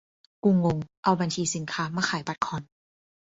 กูงง เอาบัญชีสินค้ามาขายบัตรคอน